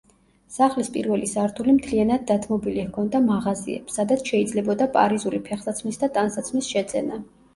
სახლის პირველი სართული მთლიანად დათმობილი ჰქონდა მაღაზიებს, სადაც შეიძლებოდა პარიზული ფეხსაცმლის და ტანსაცმლის შეძენა.